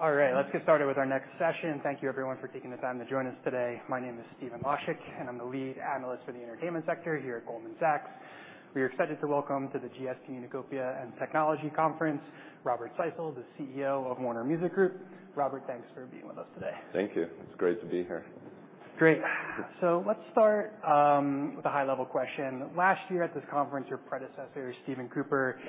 All right, let's get started with our next session. Thank you, everyone, for taking the time to join us today. My name is Stephen Laszczyk, and I'm the lead analyst for the entertainment sector here at Goldman Sachs. We are excited to welcome to the Goldman Sachs Communacopia + Technology Conference, Robert Kyncl, the CEO of Warner Music Group. Robert, thanks for being with us today. Thank you. It's great to be here. Great. So let's start with a high-level question. Last year at this conference, your predecessor, Stephen Cooper,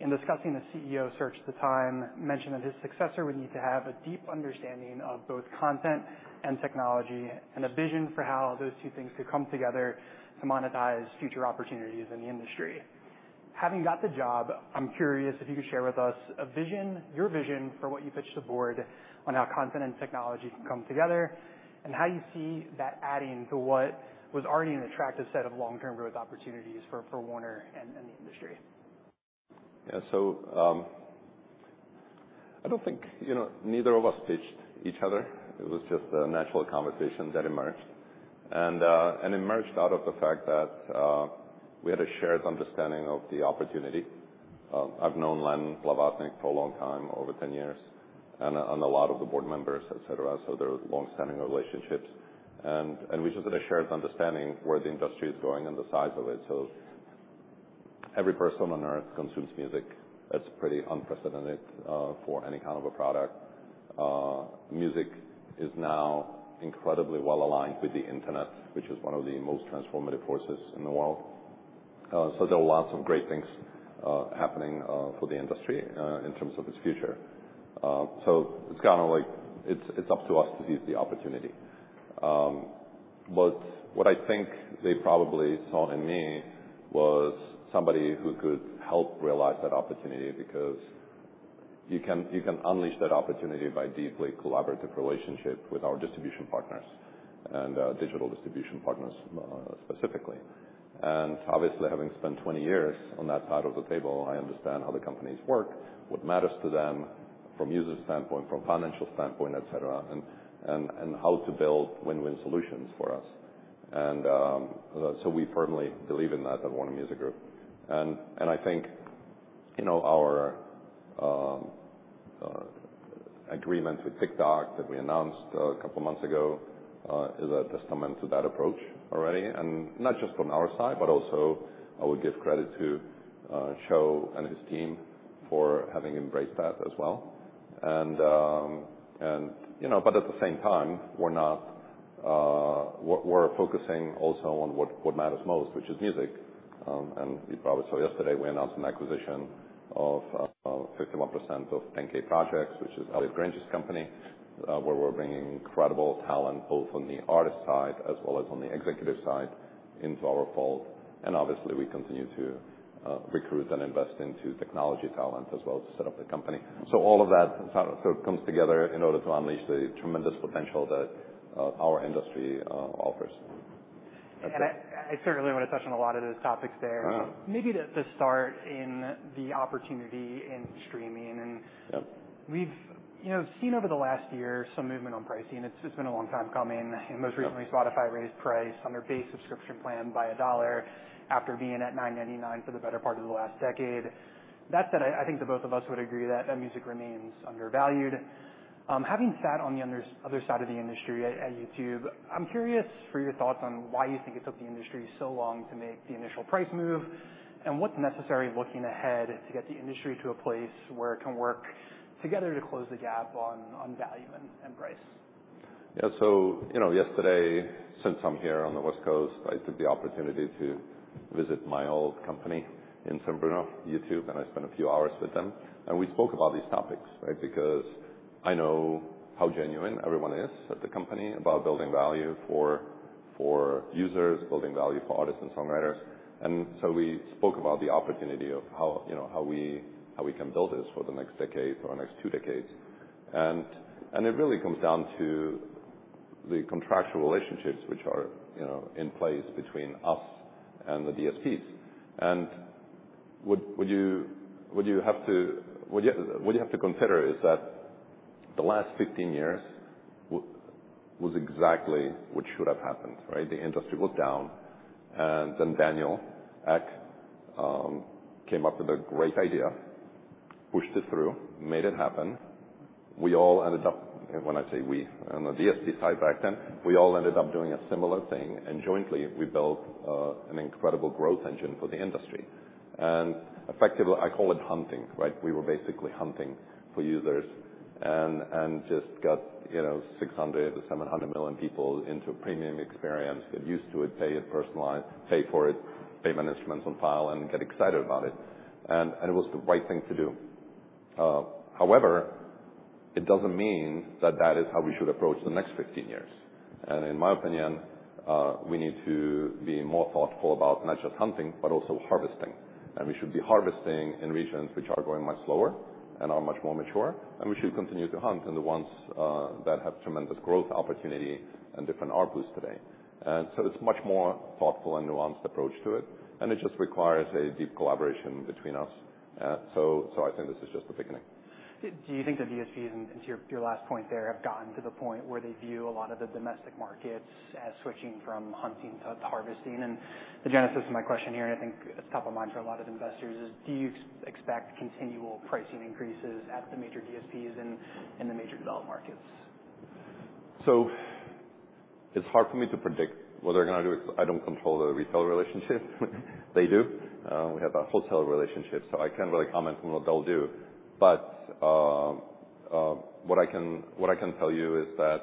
in discussing the CEO search at the time, mentioned that his successor would need to have a deep understanding of both content and technology, and a vision for how those two things could come together to monetize future opportunities in the industry. Having got the job, I'm curious if you could share with us a vision, your vision for what you pitched to the board on how content and technology can come together, and how you see that adding to what was already an attractive set of long-term growth opportunities for Warner and the industry. Yeah, so, I don't think, you know, neither of us pitched each other. It was just a natural conversation that emerged. And it emerged out of the fact that we had a shared understanding of the opportunity. I've known Len Blavatnik for a long time, over 10 years, and a lot of the board members, et cetera, so there are longstanding relationships. And we just had a shared understanding of where the industry is going and the size of it. So every person on Earth consumes music. That's pretty unprecedented for any kind of a product. Music is now incredibly well aligned with the internet, which is one of the most transformative forces in the world. So there are lots of great things happening for the industry in terms of its future. So it's kind of like it's up to us to use the opportunity. But what I think they probably saw in me was somebody who could help realize that opportunity, because you can unleash that opportunity by deeply collaborative relationship with our distribution partners and digital distribution partners, specifically. And obviously, having spent 20 years on that side of the table, I understand how the companies work, what matters to them from user standpoint, from financial standpoint, et cetera, and how to build win-win solutions for us. And so we firmly believe in that at Warner Music Group. And I think, you know, our agreement with TikTok that we announced a couple of months ago is a testament to that approach already, and not just from our side, but also I would give credit to Shou and his team for having embraced that as well. And you know, but at the same time, we're not—we're focusing also on what matters most, which is music. And you probably saw yesterday, we announced an acquisition of 51% of 10-K Projects, which is Elliot Grainge's company, where we're bringing incredible talent, both on the artist side as well as on the executive side, into our fold. And obviously, we continue to recruit and invest into technology talent as well as set up the company. So all of that kind of, sort of comes together in order to unleash the tremendous potential that our industry offers. I certainly want to touch on a lot of those topics there. Yeah. Maybe to start in the opportunity in streaming and- Yep. We've, you know, seen over the last year some movement on pricing. It's just been a long time coming. Yep. Most recently, Spotify raised the price on their base subscription plan by $1 after being at $9.99 for the better part of the last decade. That said, I think the both of us would agree that music remains undervalued. Having sat on the other side of the industry at YouTube, I'm curious for your thoughts on why you think it took the industry so long to make the initial price move? And what's necessary, looking ahead, to get the industry to a place where it can work together to close the gap on value and price? Yeah, so, you know, yesterday, since I'm here on the West Coast, I took the opportunity to visit my old company in San Bruno, YouTube, and I spent a few hours with them, and we spoke about these topics, right? Because I know how genuine everyone is at the company about building value for users, building value for artists and songwriters. And it really comes down to the contractual relationships which are, you know, in place between us and the DSPs. And what you have to consider is that the last 15 years was exactly what should have happened, right? The industry was down, and then Daniel Ek came up with a great idea, pushed it through, made it happen. We all ended up, when I say we, on the DSP side back then, we all ended up doing a similar thing, and jointly, we built an incredible growth engine for the industry. And effectively, I call it hunting, right? We were basically hunting for users and just got, you know, 600-700 million people into a premium experience, get used to it, pay it, personalize, pay for it, payment instruments on file, and get excited about it. And it was the right thing to do. However, it doesn't mean that that is how we should approach the next 15 years. And in my opinion, we need to be more thoughtful about not just hunting, but also harvesting. We should be harvesting in regions which are going much slower and are much more mature, and we should continue to hunt in the ones that have tremendous growth opportunity and different outputs today. So it's much more thoughtful and nuanced approach to it, and it just requires a deep collaboration between us. I think this is just the beginning. Do you think the DSPs, and to your last point there, have gotten to the point where they view a lot of the domestic markets as switching from hunting to harvesting? And the genesis of my question here, and I think it's top of mind for a lot of investors, is: Do you expect continual pricing increases at the major DSPs in the major developed markets? ...So it's hard for me to predict what they're gonna do, because I don't control the retail relationship. They do. We have a wholesale relationship, so I can't really comment on what they'll do. But what I can tell you is that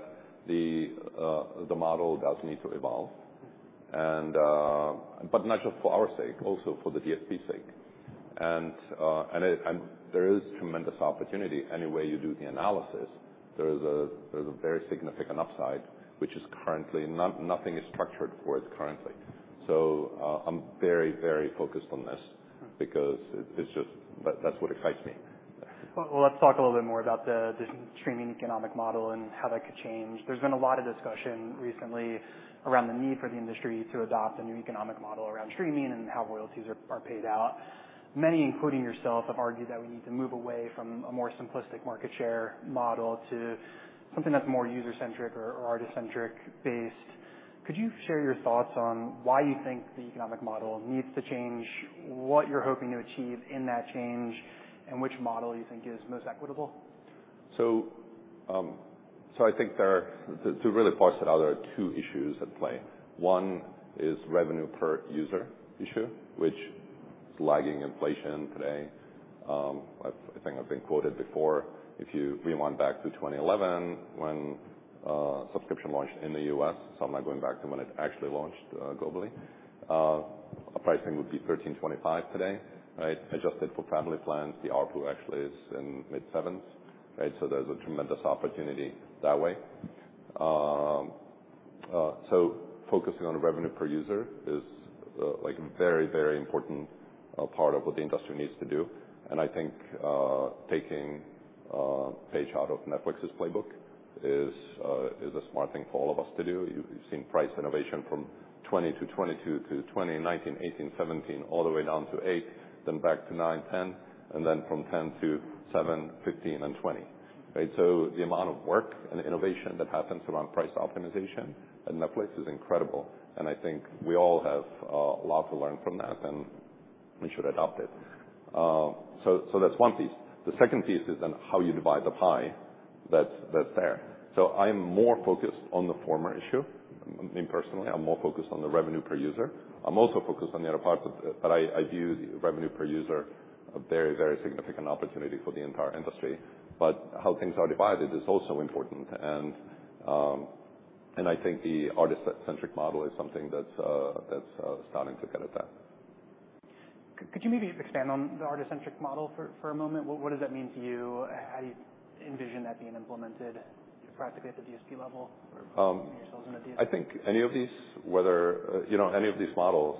the model does need to evolve and but not just for our sake, also for the DSP sake. And there is tremendous opportunity anywhere you do the analysis. There is a, there's a very significant upside, which is currently nothing is structured for it currently. So I'm very, very focused on this because it, it's just that, that's what excites me. Well, well let's talk a little bit more about the streaming economic model and how that could change. There's been a lot of discussion recently around the need for the industry to adopt a new economic model around streaming and how royalties are paid out. Many, including yourself, have argued that we need to move away from a more simplistic market share model to something that's more user-centric or artist-centric based. Could you share your thoughts on why you think the economic model needs to change, what you're hoping to achieve in that change, and which model you think is most equitable? So, I think there are two really parts that are two issues at play. One is revenue per user issue, which is lagging inflation today. I, I think I've been quoted before, if you rewind back to 2011, when subscription launched in the US, so I'm not going back to when it actually launched globally. Our pricing would be $13.25 today, right? Adjusted for family plans, the ARPU actually is in the mid-$7s, right? So there's a tremendous opportunity that way. So focusing on revenue per user is, like, a very, very important part of what the industry needs to do. And I think taking a page out of Netflix's playbook is, is a smart thing for all of us to do. You've seen price innovation from $20-$22-$20, $19, $18, $17, all the way down to $8, then back to $9, $10, and then from $10-$7, $15, and $20. Right? So the amount of work and innovation that happens around price optimization at Netflix is incredible, and I think we all have a lot to learn from that, and we should adopt it. So that's one piece. The second piece is on how you divide the pie that's there. So I'm more focused on the former issue. Me, personally, I'm more focused on the revenue per user. I'm also focused on the other part, but I view revenue per user a very, very significant opportunity for the entire industry. But how things are divided is also important, and I think the artist-centric model is something that's starting to get at that. Could you maybe expand on the artist-centric model for a moment? What does that mean to you? How do you envision that being implemented practically at the DSP level or yourselves in a DSP? I think any of these, whether, you know, any of these models,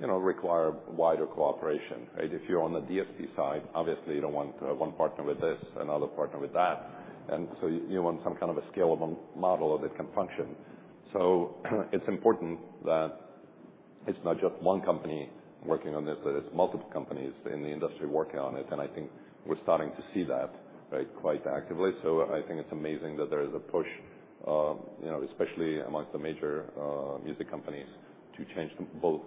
you know, require wider cooperation, right? If you're on the DSP side, obviously you don't want one partner with this, another partner with that. And so you want some kind of a scalable model that can function. So it's important that it's not just one company working on this, that it's multiple companies in the industry working on it. And I think we're starting to see that, right, quite actively. So I think it's amazing that there is a push, you know, especially amongst the major music companies, to change both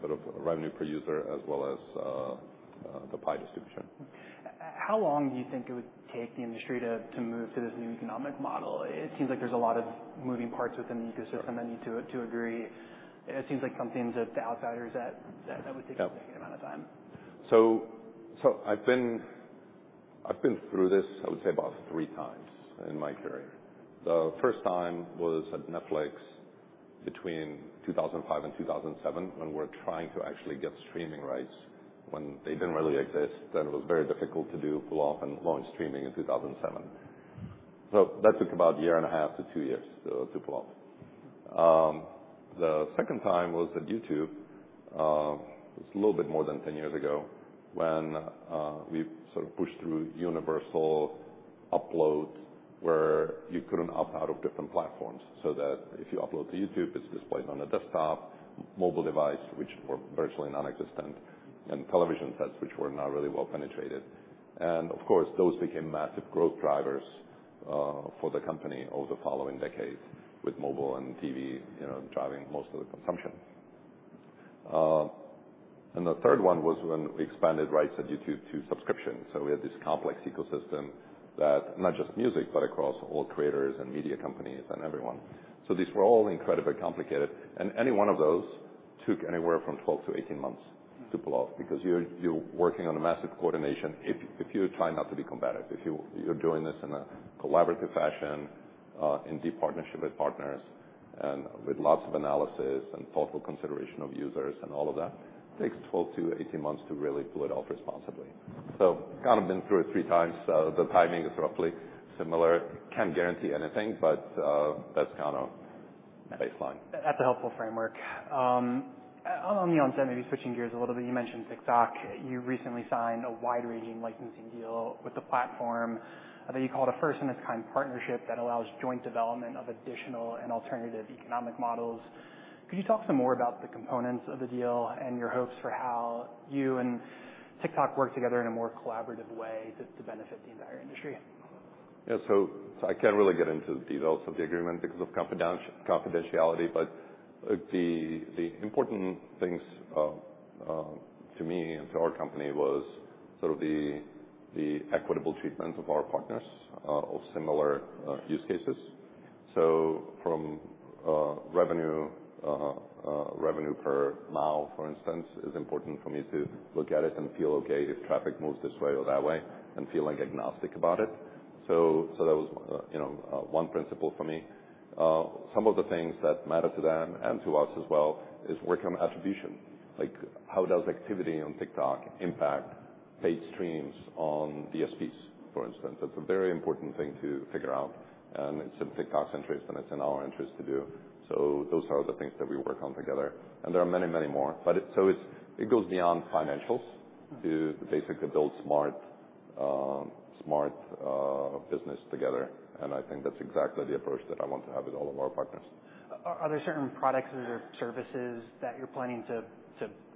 sort of revenue per user as well as the pie distribution. How long do you think it would take the industry to move to this new economic model? It seems like there's a lot of moving parts within the ecosystem that need to agree. It seems like something that the outsiders that would take- Yeah a significant amount of time. So, I've been through this, I would say, about three times in my career. The first time was at Netflix between 2005 and 2007, when we're trying to actually get streaming rights, when they didn't really exist, then it was very difficult to pull off and launch streaming in 2007. So that took about a year and a half to two years to pull off. The second time was at YouTube. It's a little bit more than 10 years ago, when we sort of pushed through universal uploads, where you couldn't opt out of different platforms, so that if you upload to YouTube, it's displayed on a desktop, mobile device, which were virtually nonexistent, and television sets, which were not really well penetrated. Of course, those became massive growth drivers for the company over the following decades, with mobile and TV, you know, driving most of the consumption. And the third one was when we expanded rights at YouTube to subscription. So we had this complex ecosystem that not just music, but across all creators and media companies and everyone. So these were all incredibly complicated, and any one of those took anywhere from 12-18 months to pull off. Because you're working on a massive coordination. If you try not to be combative, you're doing this in a collaborative fashion, in deep partnership with partners and with lots of analysis and thoughtful consideration of users and all of that, takes 12-18 months to really pull it off responsibly. So kind of been through it three times. The timing is roughly similar. Can't guarantee anything, but that's kind of baseline. That's a helpful framework. On the onset, maybe switching gears a little bit. You mentioned TikTok. You recently signed a wide-ranging licensing deal with the platform that you call a first-in-its-kind partnership that allows joint development of additional and alternative economic models. Could you talk some more about the components of the deal and your hopes for how you and TikTok work together in a more collaborative way to benefit the entire industry? Yeah, so I can't really get into the details of the agreement because of confidentiality, but the important things to me and to our company was sort of the equitable treatment of our partners of similar use cases. So from revenue per mile, for instance, is important for me to look at it and feel okay if traffic moves this way or that way, and feel, like, agnostic about it. So that was, you know, one principle for me. Some of the things that matter to them and to us as well, is working on attribution. Like, how does activity on TikTok impact paid streams on DSPs, for instance? That's a very important thing to figure out, and it's in TikTok's interest, and it's in our interest to do. So those are the things that we work on together, and there are many, many more. But so it's, it goes beyond financials- Mm-hmm. -to basically build smart business together, and I think that's exactly the approach that I want to have with all of our partners. Are there certain products or services that you're planning to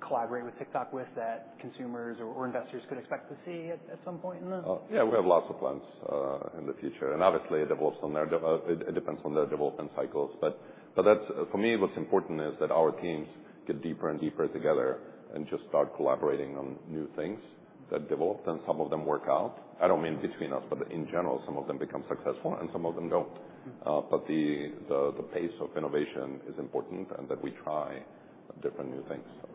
collaborate with TikTok with, that consumers or investors could expect to see at some point in the-? Yeah, we have lots of plans in the future, and obviously, it depends on their development cycles. But that's... For me, what's important is that our teams get deeper and deeper together and just start collaborating on new things that develop, and some of them work out. I don't mean between us, but in general, some of them become successful and some of them don't. Mm. But the pace of innovation is important, and that we try different new things, so.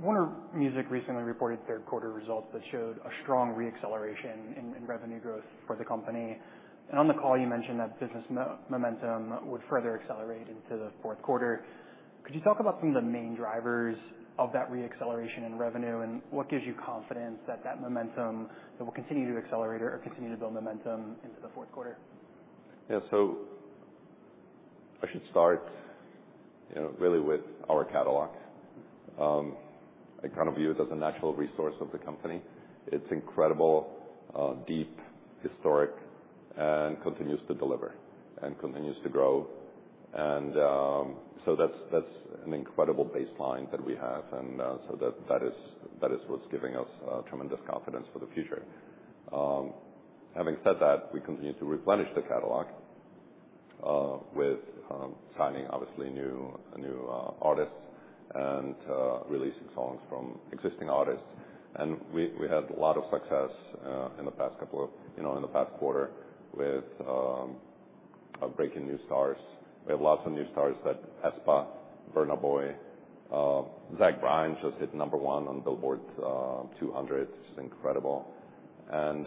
Warner Music recently reported third quarter results that showed a strong re-acceleration in revenue growth for the company. And on the call, you mentioned that business momentum would further accelerate into the fourth quarter. Could you talk about some of the main drivers of that re-acceleration in revenue, and what gives you confidence that that momentum will continue to accelerate or continue to build momentum into the fourth quarter? Yeah, so I should start, you know, really with our catalog. I kind of view it as a natural resource of the company. It's incredible, deep, historic, and continues to deliver, and continues to grow. So that's an incredible baseline that we have, and so that is what's giving us tremendous confidence for the future. Having said that, we continue to replenish the catalog with signing, obviously, new artists, and releasing songs from existing artists. We had a lot of success in the past quarter with breaking new stars. We have lots of new stars, Aespa, Burna Boy, Zach Bryan just hit number one on Billboard 200. It's incredible. And,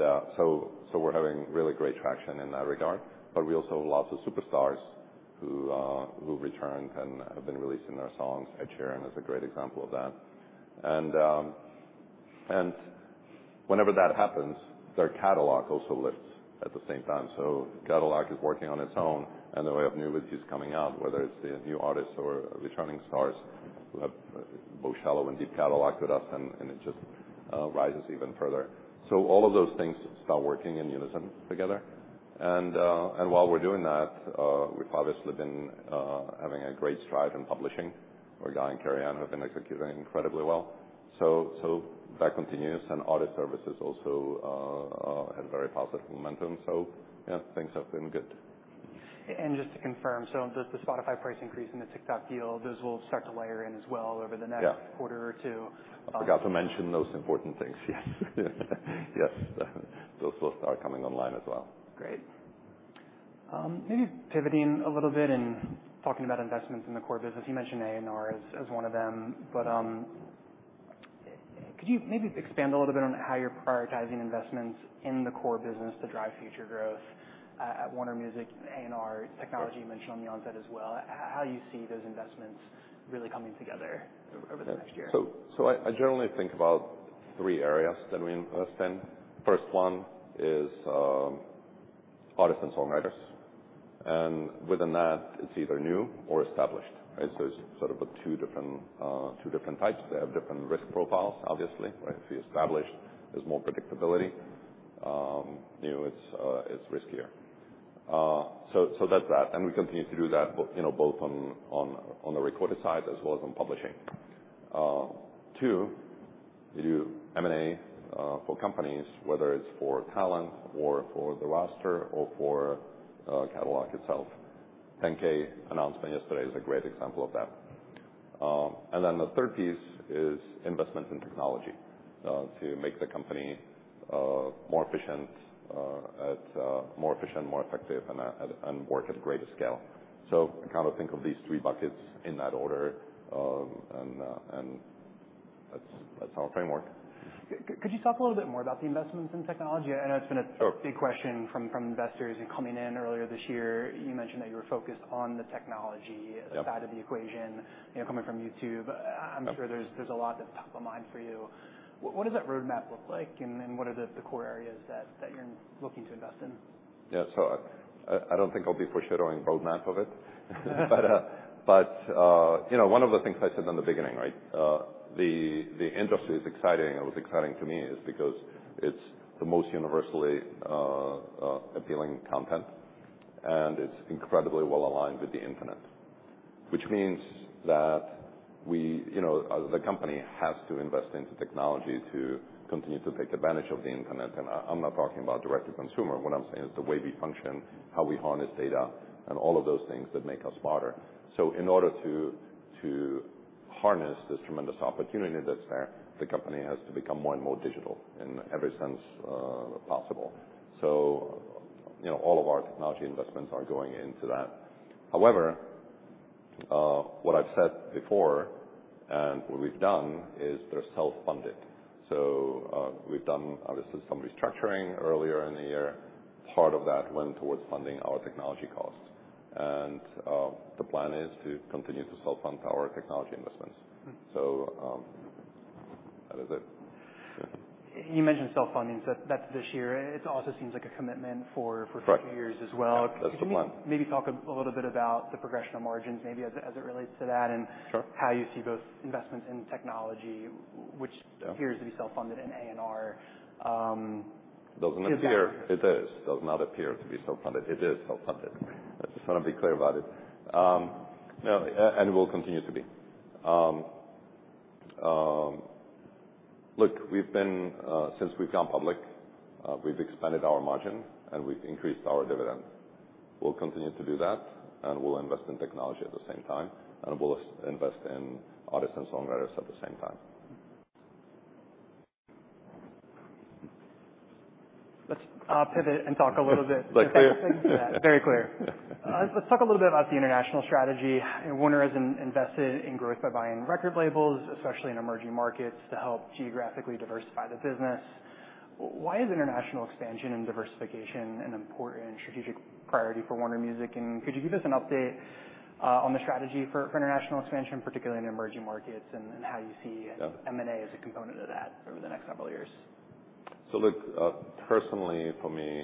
so we're having really great traction in that regard. But we also have lots of superstars who've returned and have been releasing their songs. Ed Sheeran is a great example of that. And, and whenever that happens, their catalog also lifts at the same time. So catalog is working on its own, and then we have new releases coming out, whether it's the new artists or returning stars. We have both shallow and deep catalog with us, and it just rises even further. So all of those things start working in unison together. And while we're doing that, we've obviously been having a great stride in publishing, where Guy and Carianne have been executing incredibly well. So that continues, and audit services also had very positive momentum. So yeah, things have been good. Just to confirm, so the Spotify price increase and the TikTok deal, those will start to layer in as well over the next- Yeah... quarter or two? I forgot to mention those important things. Yes. Yes, those will start coming online as well. Great. Maybe pivoting a little bit and talking about investments in the core business. You mentioned A&R as one of them, but could you maybe expand a little bit on how you're prioritizing investments in the core business to drive future growth at Warner Music? A&R, technology, you mentioned on the onset as well. How do you see those investments really coming together over the next year? So, I generally think about three areas that we invest in. First one is artists and songwriters, and within that, it's either new or established, right? So it's sort of two different types. They have different risk profiles, obviously, right? If you're established, there's more predictability. New, it's riskier. So, that's that, and we continue to do that, you know, both on the recorded side as well as on publishing. Two, you do M&A for companies, whether it's for talent or for the roster, or for catalog itself. 10K announcement yesterday is a great example of that. And then the third piece is investment in technology to make the company more efficient, more effective, and work at greater scale. So I kind of think of these three buckets in that order, and that's our framework. Could you talk a little bit more about the investments in technology? I know it's been a- Sure... big question from investors. Coming in earlier this year, you mentioned that you were focused on the technology- Yep -side of the equation. You know, coming from YouTube- Yep... I'm sure there's a lot at the top of mind for you. What does that roadmap look like, and then what are the core areas that you're looking to invest in? Yeah. So I don't think I'll be foreshadowing roadmap of it. But, you know, one of the things I said in the beginning, right? The industry is exciting, or is exciting to me, because it's the most universally appealing content, and it's incredibly well aligned with the internet. Which means that we, you know, the company has to invest into technology to continue to take advantage of the internet, and I'm not talking about direct to consumer. What I'm saying is the way we function, how we harness data, and all of those things that make us smarter. So in order to harness this tremendous opportunity that's there, the company has to become more and more digital in every sense possible. So, you know, all of our technology investments are going into that. However, what I've said before, and what we've done, is they're self-funded. So, we've done obviously some restructuring earlier in the year. Part of that went towards funding our technology costs. And, the plan is to continue to self-fund our technology investments. Mm. So, that is it. Yeah. You mentioned self-funding, so that's this year. It also seems like a commitment for- Right. for a few years as well. That's the plan. Can you maybe talk a little bit about the progression of margins, maybe as it relates to that? Sure. How you see those investments in technology, which- Yeah -appears to be self-funded in A&R, give that- It does not appear. It is. Does not appear to be self-funded, it is self-funded. I just wanna be clear about it, and will continue to be. Look, we've been since we've gone public, we've expanded our margin, and we've increased our dividend. We'll continue to do that, and we'll invest in technology at the same time, and we'll invest in artists and songwriters at the same time. Let's pivot and talk a little bit- Like clear? Yeah, very clear. Let's talk a little bit about the international strategy. Warner has invested in growth by buying record labels, especially in emerging markets, to help geographically diversify the business. Why is international expansion and diversification an important strategic priority for Warner Music? And could you give us an update on the strategy for international expansion, particularly in emerging markets, and how you see- Yeah... M&A as a component of that over the next couple of years? So look, personally for me,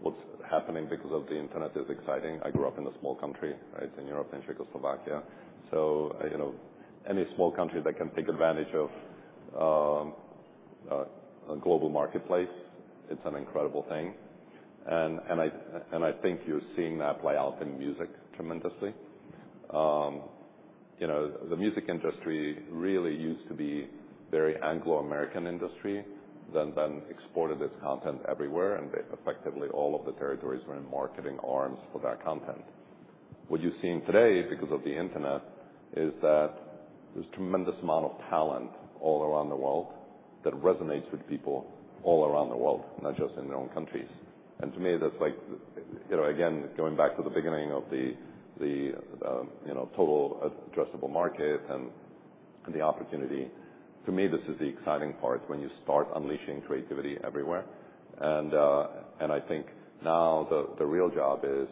what's happening because of the internet is exciting. I grew up in a small country, right, in Europe, in Czechoslovakia. So, you know, any small country that can take advantage of a global marketplace, it's an incredible thing. And I think you're seeing that play out in music tremendously. You know, the music industry really used to be very Anglo-American industry, then exported its content everywhere, and effectively, all of the territories were in marketing arms for that content. What you're seeing today, because of the internet, is that there's tremendous amount of talent all around the world that resonates with people all around the world, not just in their own countries. And to me, that's like, you know, again, going back to the beginning of the total addressable market and the opportunity. To me, this is the exciting part, when you start unleashing creativity everywhere. And I think now the real job is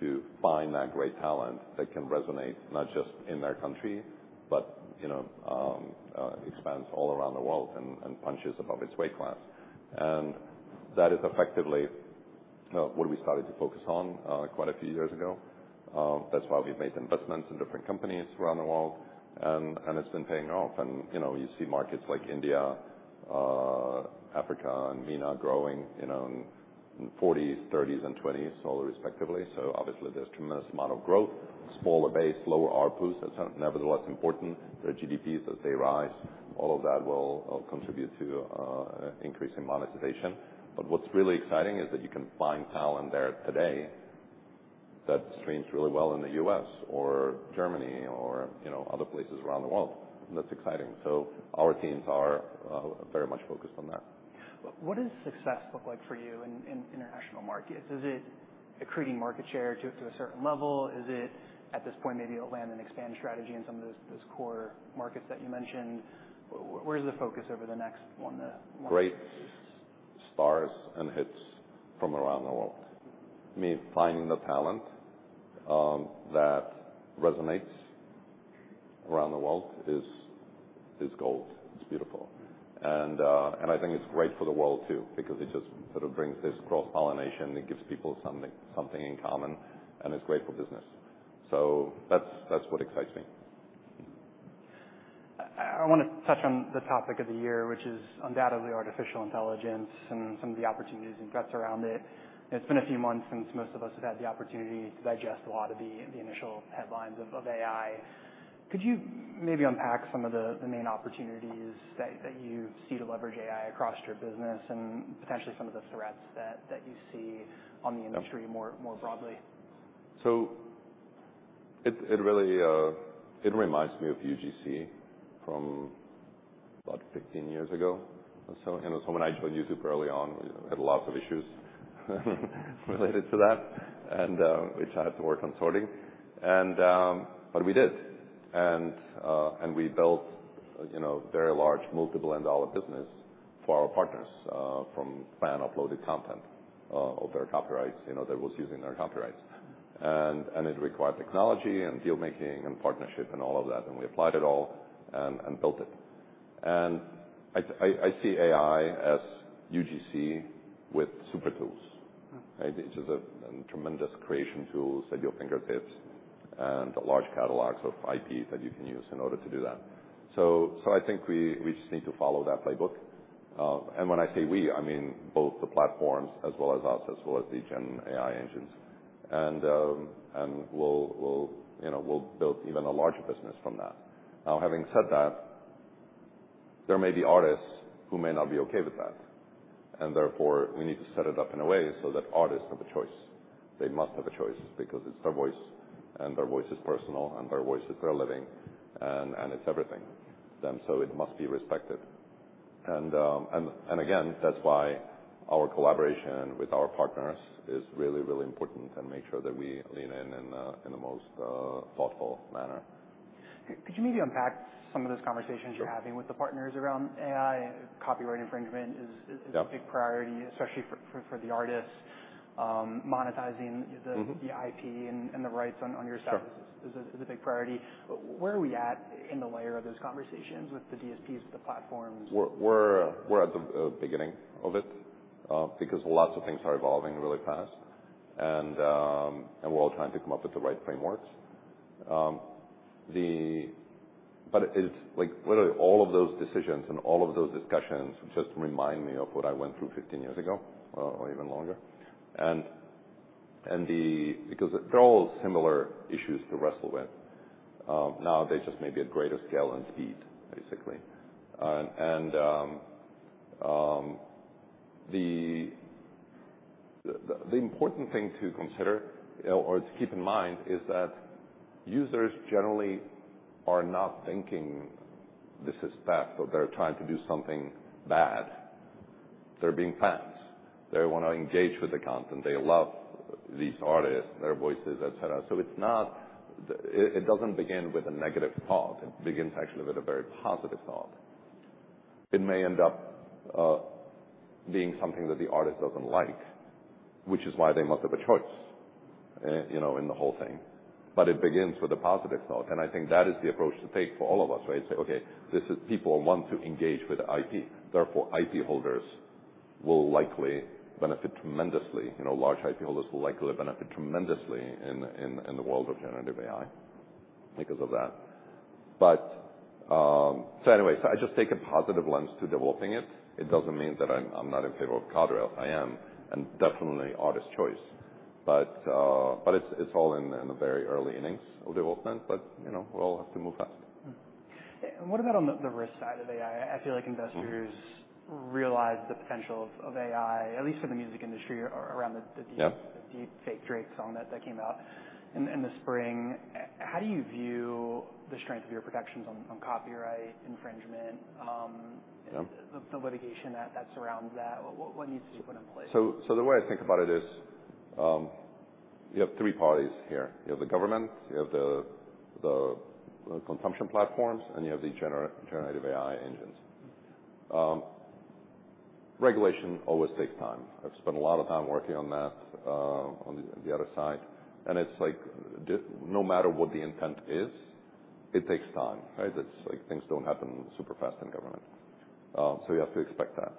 to find that great talent that can resonate, not just in their country, but, you know, expands all around the world and punches above its weight class. And that is effectively what we started to focus on quite a few years ago. That's why we've made investments in different companies around the world, and it's been paying off. And, you know, you see markets like India, Africa and MENA growing, you know, in 40s, 30s, and 20s, all respectively. So obviously there's tremendous amount of growth. Smaller base, lower ARPU, that's nevertheless important. Their GDPs, as they rise, all of that will contribute to increase in monetization. But what's really exciting is that you can find talent there today that streams really well in the U.S. or Germany or, you know, other places around the world. That's exciting. So our teams are very much focused on that. What does success look like for you in international markets? Is it accreting market share to a certain level? Is it, at this point, maybe a land and expand strategy in some of those core markets that you mentioned? Where is the focus over the next one to- Great stars and hits from around the world. Me finding the talent that resonates around the world is gold, it's beautiful. And I think it's great for the world, too, because it just sort of brings this cross-pollination. It gives people something, something in common, and it's great for business. So that's what excites me. I wanna touch on the topic of the year, which is undoubtedly artificial intelligence and some of the opportunities and threats around it. It's been a few months since most of us have had the opportunity to digest a lot of the initial headlines of AI. Could you maybe unpack some of the main opportunities that you see to leverage AI across your business and potentially some of the threats that you see on the industry? Yeah... more, more broadly? So it really reminds me of UGC from about 15 years ago or so. When I joined YouTube early on, we had a lot of issues related to that, which I had to work on sorting. But we did. And we built, you know, a very large multi-billion-dollar business for our partners from fan-uploaded content of their copyrights. You know, they was using their copyrights. And it required technology and deal making and partnership and all of that, and we applied it all and built it. And I see AI as UGC with super tools. Mm. Right? Which is a tremendous creation tools at your fingertips and large catalogs of IP that you can use in order to do that. So I think we just need to follow that playbook. And when I say we, I mean both the platforms as well as us, as well as the gen AI engines. And we'll, you know, we'll build even a larger business from that. Now, having said that, there may be artists who may not be okay with that, and therefore, we need to set it up in a way so that artists have a choice. They must have a choice because it's their voice, and their voice is personal, and their voice is their living, and it's everything. And so it must be respected. And again, that's why our collaboration with our partners is really, really important, and make sure that we lean in in the most thoughtful manner. Could you maybe unpack some of those conversations- Sure. you're having with the partners around AI? Copyright infringement is- Yep. -is a big priority, especially for the artists. Monetizing the- Mm-hmm. - the IP and the rights on your side - Sure. is a big priority. Where are we at in the latter of those conversations with the DSPs, the platforms? We're at the beginning of it because lots of things are evolving really fast, and we're all trying to come up with the right frameworks. But it's like, literally all of those decisions and all of those discussions just remind me of what I went through 15 years ago, or even longer. And because they're all similar issues to wrestle with. Now they're just maybe at greater scale and speed, basically. And the important thing to consider or to keep in mind is that users generally are not thinking this is bad, or they're trying to do something bad. They're being fans. They want to engage with the content. They love these artists, their voices, et cetera. So it doesn't begin with a negative thought. It begins, actually, with a very positive thought. It may end up being something that the artist doesn't like, which is why they must have a choice, you know, in the whole thing. But it begins with a positive note, and I think that is the approach to take for all of us, right? Say: Okay, this is people want to engage with IP. Therefore, IP holders will likely benefit tremendously. You know, large IP holders will likely benefit tremendously in the world of generative AI because of that. But, so anyway, so I just take a positive lens to developing it. It doesn't mean that I'm not in favor of Carda, I am, and definitely artist choice. But, it's all in the very early innings of development, but, you know, we all have to move fast. Mm-hmm. And what about on the risk side of AI? I feel like investors- Mm-hmm. realize the potential of AI, at least for the music industry, around the Yep... the deepfake Drake song that came out in the spring. How do you view the strength of your protections on copyright infringement? Yep. The litigation that surrounds that? What needs to be put in place? So, the way I think about it is, you have three parties here. You have the government, you have the consumption platforms, and you have the generative AI engines. Regulation always takes time. I've spent a lot of time working on that, on the other side, and it's like no matter what the intent is, it takes time, right? It's like things don't happen super fast in government. So you have to expect that.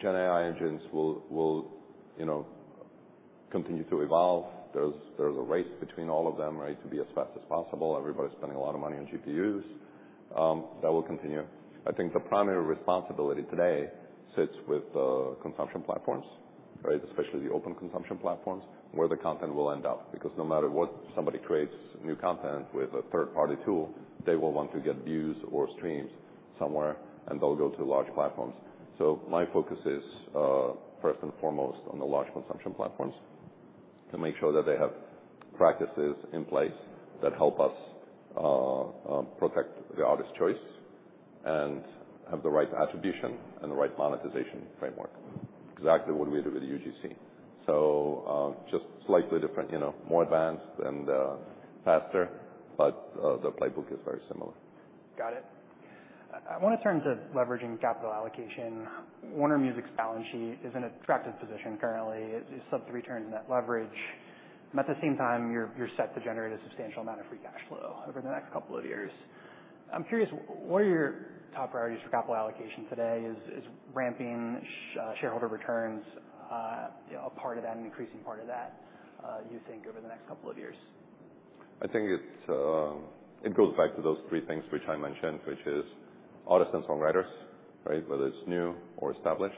Gen AI engines will, you know, continue to evolve. There's a race between all of them, right? To be as fast as possible. Everybody's spending a lot of money on GPUs, that will continue. I think the primary responsibility today sits with the consumption platforms, right? Especially the open consumption platforms, where the content will end up. Because no matter what, somebody creates new content with a third-party tool, they will want to get views or streams somewhere, and they'll go to large platforms. So my focus is, first and foremost on the large consumption platforms, to make sure that they have practices in place that help us, protect the artist's choice and have the right attribution and the right monetization framework. Exactly what we did with the UGC. So, just slightly different, you know, more advanced and, faster, but, the playbook is very similar. Got it. I wanna turn to leveraging capital allocation. Warner Music's balance sheet is in a attractive position currently. It's sub-three-turn net leverage, and at the same time, you're set to generate a substantial amount of free cash flow over the next couple of years. I'm curious, what are your top priorities for capital allocation today? Is ramping shareholder returns, you know, a part of that, an increasing part of that, you think, over the next couple of years? I think it's. It goes back to those three things which I mentioned, which is artists and songwriters, right? Whether it's new or established,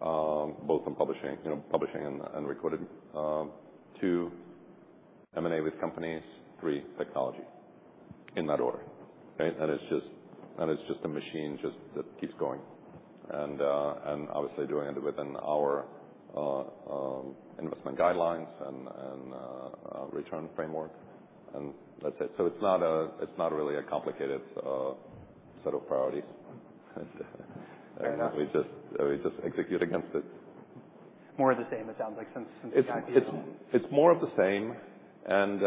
both on publishing, you know, publishing and, and recorded. Two, M&A with companies. Three, technology. In that order, right? And it's just, and it's just a machine just that keeps going. And, and obviously, doing it within our investment guidelines and, and our return framework, and that's it. So it's not. It's not really a complicated set of priorities. Fair enough. We just, we just execute against it. More of the same, it sounds like, since you got here. It's more of the same, and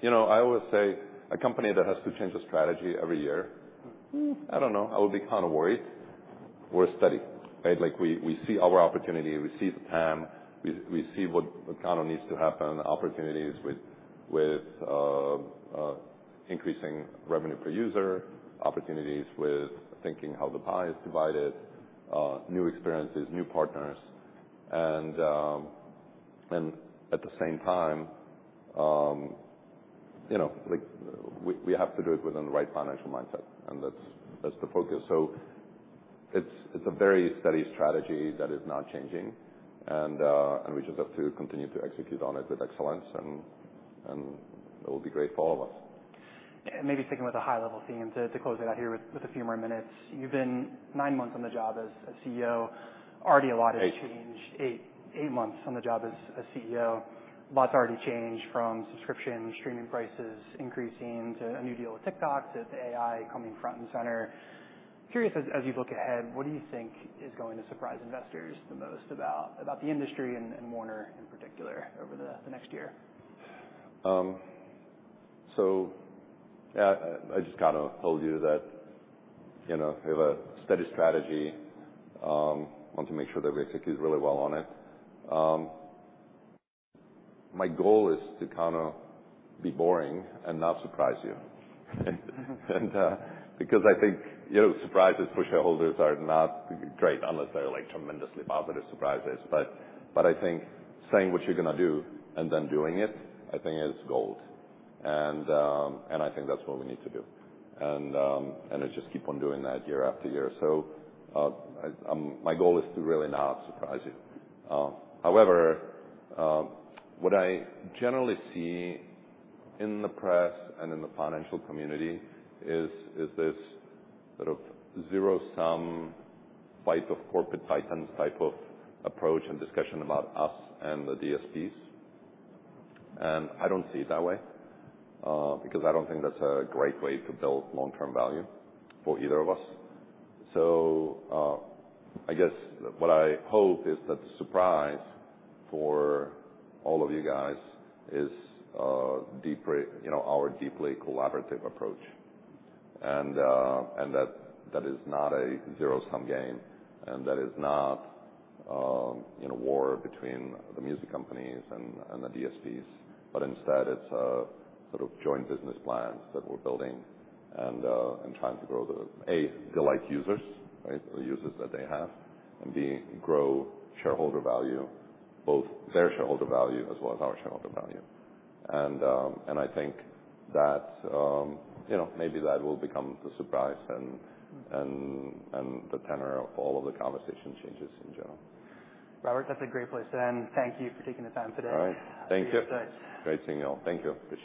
you know, I always say a company that has to change a strategy every year- Mm. I don't know, I would be kind of worried or steady, right? Like, we see our opportunity, we see the path, we see what kind of needs to happen, opportunities with increasing revenue per user, opportunities with thinking how the pie is divided, new experiences, new partners. And at the same time, you know, like, we have to do it within the right financial mindset, and that's the focus. So it's a very steady strategy that is not changing, and we just have to continue to execute on it with excellence, and it will be great for all of us. Maybe sticking with the high-level theme to close it out here with a few more minutes. You've been nine months on the job as a CEO. Already a lot has changed. Eight. 8 months on the job as a CEO, a lot has already changed from subscription streaming prices increasing, to a new deal with TikTok, to the AI coming front and center. Curious, as you look ahead, what do you think is going to surprise investors the most about the industry and Warner in particular over the next year? So, yeah, I just kind of told you that, you know, we have a steady strategy. Want to make sure that we execute really well on it. My goal is to kind of be boring and not surprise you. And, because I think, you know, surprises for shareholders are not great unless they're, like, tremendously positive surprises. But I think saying what you're gonna do and then doing it, I think is gold. And I think that's what we need to do. And just keep on doing that year after year. So, my goal is to really not surprise you. However, what I generally see in the press and in the financial community is this sort of zero sum fight of corporate titans type of approach and discussion about us and the DSPs. I don't see it that way, because I don't think that's a great way to build long-term value for either of us. So, I guess what I hope is that the surprise for all of you guys is, deeply, you know, our deeply collaborative approach. And, and that, that is not a zero-sum game, and that is not, you know, war between the music companies and, and the DSPs, but instead it's a sort of joint business plans that we're building and, and trying to grow the, A, delight users, right? The users that they have. And, B, grow shareholder value, both their shareholder value as well as our shareholder value. And, I think that, you know, maybe that will become the surprise and, and, and the tenor of all of the conversation changes in general. Robert, that's a great place to end. Thank you for taking the time today. All right. Thank you. Thanks. Great seeing you all. Thank you. Appreciate it.